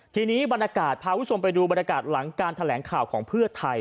ทีนี้บรรยากาศพาคุณผู้ชมไปดูบรรยากาศหลังการแถลงข่าวของเพื่อไทย